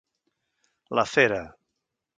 La fera: